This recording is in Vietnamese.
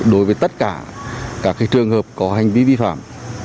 đối với tất cả các trường hợp có hành vi vi phạm